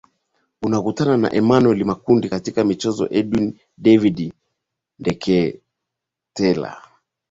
unakutana na emanuel makundi katika michezo edwin david ndeketela